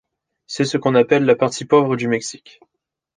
C'est ce qu'on appelle la partie pauvre du Mexique.